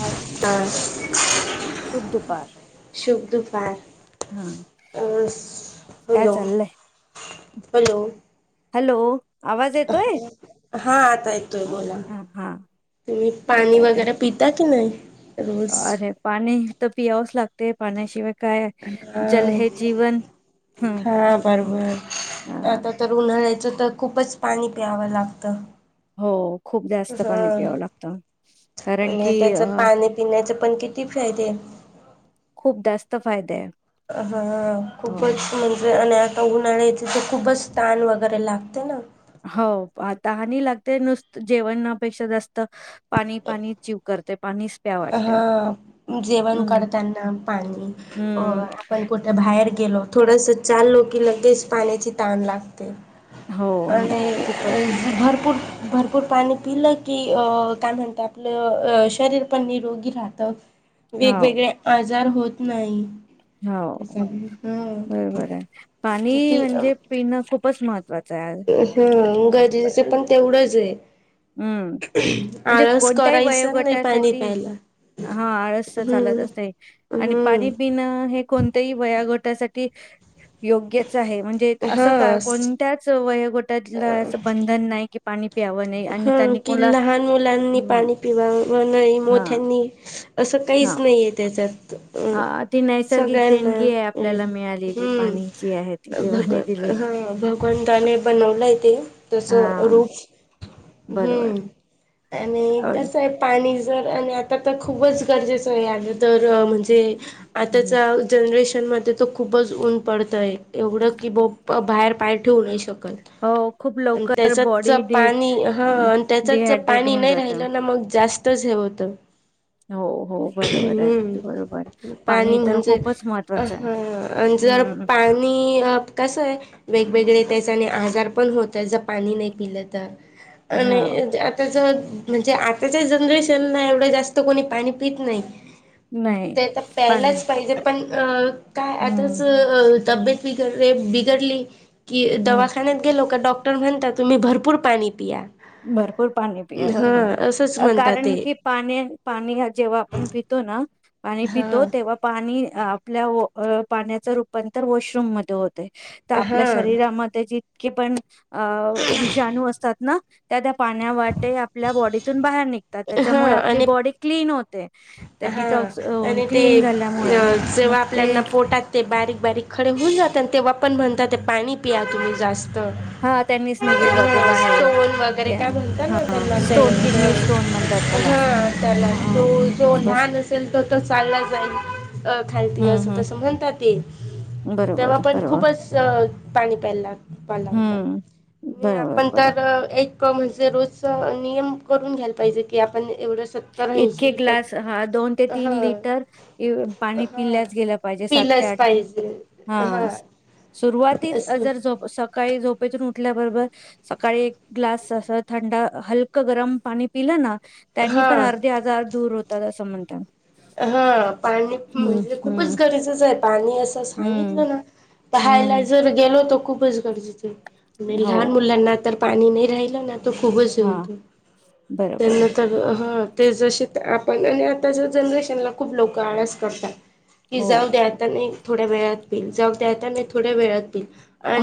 दुपार तर शुभ दुपार शुभदुफार हा काय हॅलो चाललंय हॅलो हॅलो आवाज येतोय हा आता येतोय ह बोला हा हा तुम्ही पाणी येतात काय वगैरे पिता की नाही रोज अरे पाणी तर पियावंच लागतेय पाण्याशिवाय काय हा जल हे जीवन ह हा बरोबर आता तर उन्हाळ्याचं तर खूपच पाणी प्यावं लागतं हो खूप जास्त हा पाणी पियावं लागतं कारण की आणि त्याच अ पाणी पिण्याच पण केटी फ्रायडे खूप जास्त फायदे आहे हा हो खूपच म्हण आणि उन्हाळ्या तिथे खूपच ताान वगैरे लागते ना हो आताहानी लागते नुसत जेवणापेक्षा जास्त पाणी पाणी जीव करत हा जेवण हम्म करताना पाणी अ हम्म आपण कुठे बाहेर गेलो थोडस चाललो की लगेच पाण्याची ताण लागते हो न, आणि खूपच भरपूर भरपूर पाणी पिलं की काय म्हणत आपलं शरीर पण निरोगी राहत हो वेगवेगळे आजार होत नाही हो त्याच्यामुळे हम्म बरोबर आहे पाणी म्हणजे पिणं खूपच महत्त्वाचं आहे. हा गरजेचं पण तेवढंच आहे हम्म म्हणजे आळस कोणत्याही करायचं नाही पाणी वयोगटासाठी प्यायला हा आळस चालत हम्म असते आणि पाणी हम्म पिणं हे कोणतेही वयागट योग्यच आहे म्हणजे अस हा कोणत्याच व असं बंधन नाही कि पाणी प्यावं नाही आणि हा त्यांनी कि कोणला लहान मुलांनी हम्म पाणी पिवा नाही हा मोठ्यांनी असं हा काहीच नाही आहेे त्याच हा ती नैसर्गिक देणगी सगळ्यांना आहे आपल्याला मिळालेली पाणी जी आहे ती भग देवाने दिलेली हा भगवताने बनवलाय हा बरोबर ू् आणि आवड- तस आहे आणि जर आणि आता तर खूपच गरजेचं आहे आलं तर म्हण आ हम्म ज मध्ये तो खूपच ऊन पडत आहे एवढं की ब बाहेर पायर ठेवू नाही शकतो. हो खूप लवकर त्याच्या बॉडी डि पाणी. हा आणि त्याच्यात जर डिहायड्रेट पाणी होऊन नाही जात. राहिलं ना मग जास्तच हे होत. हो हो बरोबर आहे अगदी बरोबर हम्म पाणी तर म्हणजे. खूपच महत्त्वाचं आहे. जर हम्म पाणी कसं आहे वेगवेगळे. त्याच्याने आजार पण होत जं पाणी नाही पिलं तर ह आणि आता जर. म्हणजे आताच्या जनरेशनला एवढं जास्त कोणी पाणी पीत नाही. नाही ते तर पाणी प्यायलाच पाहिजे पण अ काय आताच हम्म तब्येत. बिगड रे बिघडली की हम्म दवाखान्यात गेलो का डॉक्टर म्हणता तुम्ही भरपूर पाणी. पिया. भरपूर पाणी पिया हा असंच बरोबर म्हणतात ते कारण की पाणी पाणी हा जेव्हा आपण पितो ना. पाणी पितो हा तेव्हा पाणी आपल्या पाण्याचं रूपांतर वॉशरूम मध्ये होते. तर आपल्या हा शरीरामध्ये जितके पण विषाणू असतात ना त्या. पाण्या वाटे आपल्या बॉडीतून बाहेर निघत. तर हा त्याच्यामुळे आपली आणि बॉडी क्लीन होते तर हा डिटॉक्स क्लीन झाल्यामुळे. मग तेव्हा ते आपल्याना पोटात ते बारीक बारीक खडे होऊन जात आणि तेव्हा पण म्हणतात ते पाणी पिया तुम्ही जास्त. हा त्यांनीच निघेल ब ते बाहेर. स्टोन वगैरे क्या- काय म्हणतात ना हा त्यांना स्टोन ते किडनी स्टोन म्हणतात त्याला हा त्याला हा तो जो बर लहान असेल तर तो चालला जाईल खायचा ि अस हम्म तसं हम्म म्हणतात. तेव्हा बरोबर पण बरोबर खूपच पाणी प्यायला प्यायला लावतात. हम्म बरोबर आपण बरोबर तर एक म्हणजे रोज नियम करून घ्यायला पाहिजे की आपण एवढ्या सत्ता इतके राहिशील ग्लास हा ते त्यात हा लिटर इ- पाणी हा पिल्याच गेलं पाहिजे ते पिलस पाहिजे. हा सुरुवातीच असं जर झो सकाळी झोप. पेतून उठल्याबरोबर सकाळी एक ग्लास अस थंडा हलकं गरम पाणी पिलं ना. त्यांनी पण हां अर्धे हजार दूर होतात असं म्हणतात. हा पाणी हम्म म्हणजे हम्म खूपच गरेजेचं आहे पाणी असं हम्म सांगितलं ना. पहायला हम्म जर गेलो तर खूपच गरजेचं आणि हो लहान मुलांना तर. पाणी नाही राहिलं ना तो खूपच हा होतो बरोबर त्यांन तर हां. ते जसे आपण आणि आताच्या जनरेशनला खूप लोक आळस करतात. की जाऊ हो द्याता नाही थोड्या वेळात पईल जाऊ द्याता नाही थोड्या वेळात. पिईल.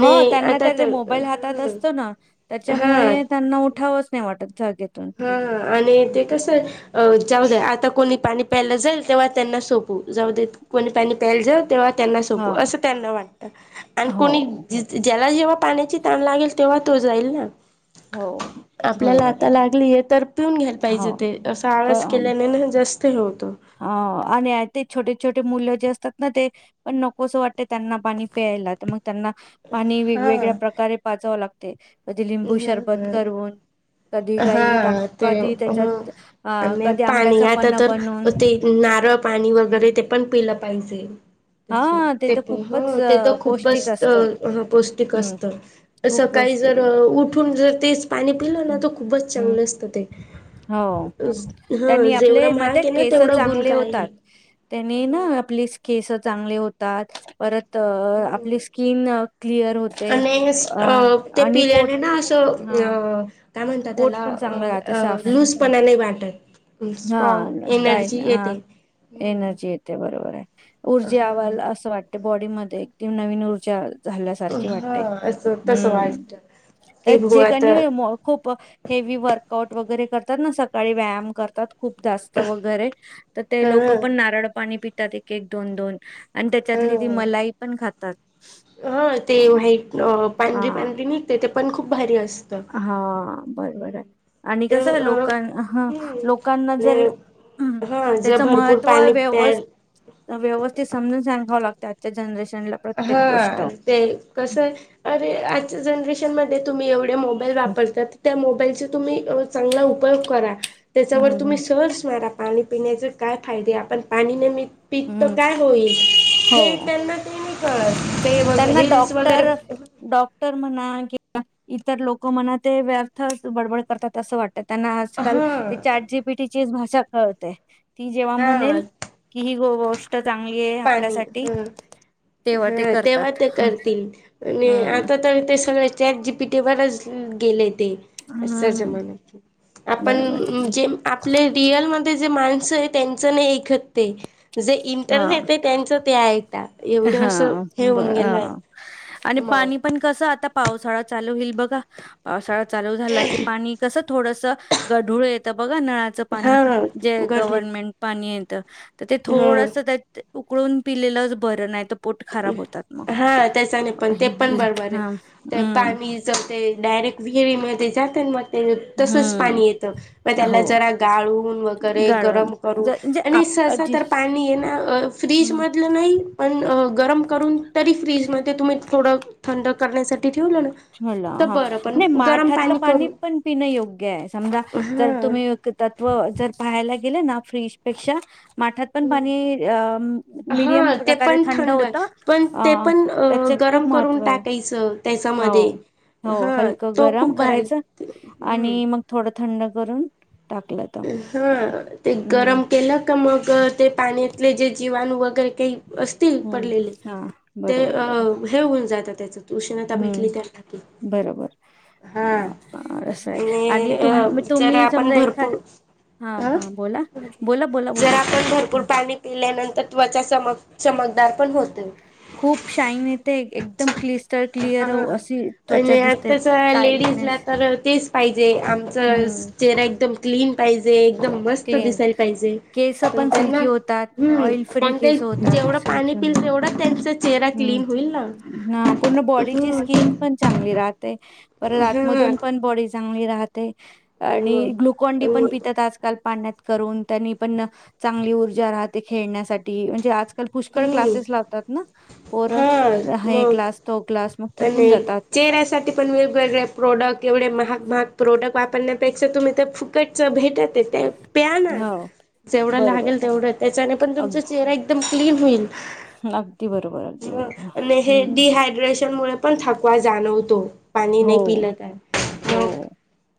हो त्यांना आता तर ते मोबाईल हातात असतो ना त्याच्यामुळे त्यांना उठावंच नाही वाटतं जाघेऊन. हा आणि ते कसं आहे. अ जाऊ द्या आता कोणी पाणी प्यायला जाईल तेव्हा त्यांना सोपू जाऊ द्या कोणी पाणी प्यायला जाऊ. तेव्हा त्यांना हा सोपू असं त्यांना वाटत आणि कोणी. हो मला जेव्हा पाण्याची ताण लागेल तेव्हा तो जाईल ना. हो बरोबर आहे. ते तर पिऊन घ्यायला हो पाहिजे ते असा प आवाज केल्याने ना जास्त हे होतो. ह आणि ते छोटे छोटे मुलं जे असतात ना ते पण नकोसं वाटते त्यांना पाणी प्यायला तर मग. त्यांना पाणी हा वेगवेगळ्या प्रकारे पाजावे लागते. कधी लिंबू शरबत ह करून. कधी काही हा ते कधी ह त्याच्यात अ आणि कधी पाणी आंब्याचं आता पण तर बनवून. ते नारळ पाणी वगैरे ते पण पिलं पाहिजे. हा तर खूपच ते अ, तर खूपच पौष्टिक असतं पौष्टिक हम्म असत. खूप काही पौष्टिक जर आहे. उठून जर तेच पाणी पिलं ना हं, तर खूपच हं. चांगलं असतं ते. हो. हा त्यांनी जेवढं आपले म महाग आहे ना केस तेवढा चांगले गुलका होतात आहे. त्यांनी ना आपली केस चांगले होतात परत, तर आपली स्किन क्लिअर होते आणि ते आणि. पिल्याने ना असं हा अ काय म्हणत पोट त्याला पण चांगलं राहते साफ. अ लूजपणा नाही वाटत. हा स्ट्रॉग काय एनर्जी हा येते. एनर्जी येते बरोबर आहे. ऊर्जा आवाला असं वाटतं बॉडी मध्यें ध्येय एकदम नवीन ऊर्जा झाल्यासारखी हा वाटतें असं तसं हम्म वाटत तर की भू जे आता कणी केव्ह वर्कआउट करतात सकाळीं व्याम करतात खूप जास्तं वगैरे तर ते हा लोकं पणं नारळ पाणी पितात एक एक दोन दोन आणि त्यांच्यातली ती हा मलाई पणं खातात हा ते अं, वा्हाईट हा पांढरी पांढरी निघते ते पणं खूप भारी असतें हा बरबर आहे आणि ते कसं अ लोकां ह हम्म लोकांनां जर आणि हम् हा जर त्याचं भरपूर महत्त्व पाणी प्या व्यवस् व्यवस्थित समजून सांगावं लागतं त्याचं जनरेशन हा ते कसं आहे अरे आजच्या जनरेशन मध्यें तुम्हीं एवढं ते मोबाईल हम्म वापरतात त्या मोबाईल तुम्हीं चांगला उपयोग करा त्यांच्यावर हम्म तुम्हीं सर्च मारा पाणी पिण्याचे काय फायदे आपणं पाणीने मी पित्त हम्म काय होईल हे त्यांना ते नाही कळत ते वग त्यांनां रील्स वगैरे डॉक्टर डॉक्टर इतर म्हणा किंवा इतर लोकं म्हणा ते व्यर्थ बडबड करतात असं वाटतं त्यांनां आजकाल हा ते चार जी पीटीची भाषा कळतेय ती जेंव्हा हा म्हणेल की ती गोष्ट चांगली आहे पाणी आपल्यासाठी ह तेंव्हा ती करतात अरे हम्म आता तर ते सगळें चेट जीपीटी वरच खेळत गेलेत हम्म बरोबर आपण जे आपले रियल मध्येच ते जे माणस आहे त्यांच नाही एकते ते जे हा इंटरनेट आहे त्यांच ते आईकते हा ब आणि मग पाणी पण कसं आता पावसाळा चालूं होईल बघा पावसाळा चालूं झाला की पाणी कसं थोडंसं गढूळ येत. बघा नळाचं हा पाणी जे गट गव्हर्मेंट पाणी येतं तर ते हा. थोडंसं त्यात उकळून पिलेलंच बरं नाहीं तर पोट खराब होतात मग हा त्यांचा नाहीं पणं ते पणं बरोबर हां. आहे हम्म. पाणीच जमते डॅक अ विहिरींमध्ये जातील मंग ते तसंच हम्म. पाणी येतं म त्याला हो. जरा गाळून वगैरे गाळण गरम ज करून म्हणजे आणि आप जसं जी तर पाणी येणार फ्रिज हं. मधलं नाही पणं अ गरम करून तरी फ्रीजमध्ये तुम्ही थोडं थंड करण्यासाठी ठेवलं ना ला तर हा बरं पण नाहीं गरम माठातलं पाणी करून पणं पिणं योग्य आहे समजा तर तुम्हीं तत्व जर पाहायला गेले ना फ्रीजपेक्षा माठांत पणं हा पाणी मिडियम हा ते प्रकारे पण थंड होतं पण ते अ पण त्यांच्यात गरम करून टाकायचं काही जमत हो हो हलकं गरम भारी करायचं आणि मंग थोडं थंड करून टाकलं तर. हा ते हम्म. गरम केलं का मंग ते पाण्यातले जे जीव जीवाणू वगैरे काही असतील हम्म. पडलेले हां. ते बरोबर बरोबर. हे होऊन जाता त्यांच्यात हम्म बरोबर हा असंय आणि अ तुम जर तुम्हीं आपण समजा एखा भरपूर हा अ हा बोला बोला बोला जर बोला आपण भरपूर हं. पाणी पिल्यानंतर त्वचा चमक चमकदार पणं होते खूप शाईन येते एकदम क्लिस्टर क्लिअर हा अशी त्वचा आणि दिसते आताच टाईटने लेडीजला तर तेचं पाहिजे आमचं हम्म चेहरा एकदम क्लीन पाहिजे एकदम मस्त क्लीन दिसायला पाहिजे केस पण त्यांना सिल्की होतात हम् ऑइल फ्री पणं ते केस होतात जेवढं पाणी पाणी सिल्की म्हणजे पीतील तेव्हड त्यांच् हम्म ह पूर्ण बॉडीची हम्म स्किन पणं चांगली राहतें पर हा आतमधून मग पणं बॉडी चांगली राहतं आणि ग्लुकोन डी पणं पितात आजकाल पाण्यांत करून त्यांनी पणं ना चांगली ऊर्जा राहतें खेळण्यासाठी म्हणजे आज आणि हम्म क् हा प मग क् आणि चेहऱ्यासाठीठी पण वेगवेगळे्या प्रोडक्ट तेवढे महाग महाग प्रोडक्ट वापरण्यापेक्षा तुम्ही तर फुकटच भेटतच ते प्या ना हो जेवढं बरोबर लागेल तेवढं त्याच्याने पण अग तुमचा चेहरा एकदम क्लीन होईल अगदी बरोबर अगदी ह बरोबर हे हम्म डीहाड्रेशन मु पण थकवा जाणवतो पाणी हो नाही पिल आहे मग हो.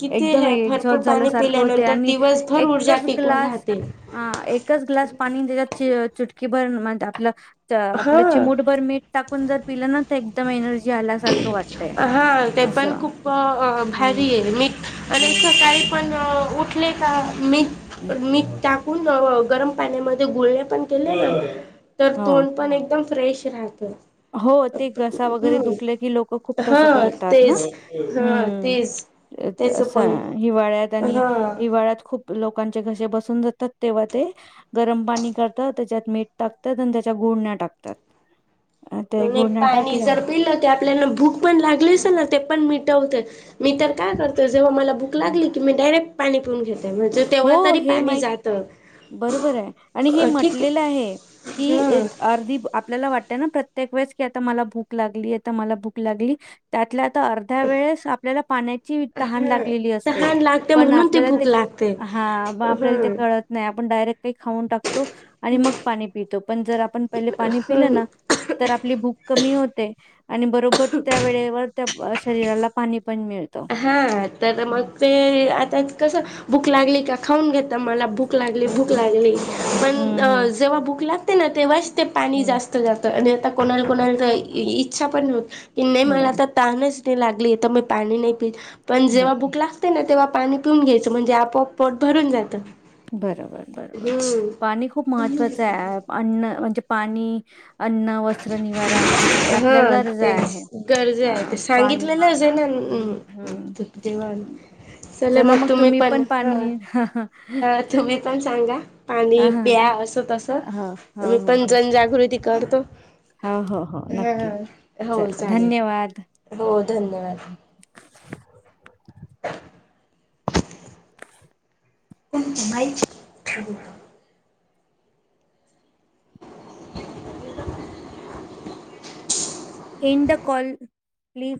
कितीे एकदम ह भरपूर एक्झॉस्ट पाणी झाल्यासारखं होते पिल्यानंतर आणि दिवसभर ऊर्जा एकच टिकून ग्लास राहते हा एकच ग्लास पाणी त्याच्यात चट की बर म्हण आपलं आपलं हा. चिमूटभर मीठ टाकून जर पिलं ना तर एकदम एनर्जी ल्या सारखं वाटतय हां ते पण असं खूप भारी हम्म आहे मी आणि इ हम्म सकाळी पण उठले का मी हम्म. मीठ टाकून गरम पाण्यामध्ये गुोलणे पण केले ना तर हो तोंड पण एकदम फ्रेश राहतो हो ते घसा वगैरे दुख ल खप ह हां तेच हां तेच त्याचं पण आणि हां हवाळात खूप लोकांचे घसे बसून जातात तेव्हा ते गरम पाणी करतात त्याच्यात मीठ टाकतात आणि त्याच्याु पुर्ण्या टाकतात अ, ते आणि गुडण्या पाणी टाकल्या जर पिलं तर आपल्याला भूक पण लागली असेल ना ते पण मिटवत मी तर काय करतो जेव्हा मला भूक लागली की मी डायरेक्ट पाणी पिऊन घेतो े तेव्हा हो, तरी हे पाणी माहीत जातं बरोबर आहे आणि हे अ, ठीक म्हटलेलं आहे की हं अर्धी आपल्याला वाट प्रतेक वेळेस की आता मला भूक लागली आ मला भूक लागली त्यातल्या तर अर्ध्या वेळेस आपल्याला पाण्याची तहान हा लागलेली असते तहान लागते पण म्हणून ती आपल्याला भूक ते लागते. हा म आपल्याला ते हं कळत नाही आपण डायरेक्ट काही खाऊन टाक आणि मग पाणी पितो पण जर आपण पहिले पाणी पिलं हं ना तर आपली भूक कमी आणि बरोबर त्या वेळेवर त्या शरीराला पाणी पण मिळते हा तर मग ते आता कसं भूक लागली का खाऊन घेत मला भूक भक लागले हं. भूक लागले पण हं, हं, जेव्हा भूक लागते ना तेव्हाच ते पाणी हं. जास्त जात आणि आता कोणाला कोणाला इच्छा पण होत की नाही मला बरं, तर ताणच नाही लागली तर मी पाणी नाही पि पण जेव्हा बरं. भुक लागते ना तेव्हा पाणी पिऊन घ्यायचं म्हणजे आपोआप पोट भरून जातं बरोबर बरोबर हम्म पाणी खूप महत्वाचं आहे अन्न म्हणजे पाणी अन्न वस्त्र निवारा हे हा आपल्या गरजा ते आहे गरजे अ, आहे ते पाणी सांगितलेलंच आहे ना हं, हं. ्मप देवान चले मग तुम्ही पण हा ह तुम्ही पण सांगा पाणी हां, हां. पिया असं तस हो, हो, तमही हो, पण हो. जनजागृती करतो हो, हो, हो. नक्की. हा हो चला चालेल धन्यवाद. हो धन्यवाद ह पणम ठू एड कॉल प्लीज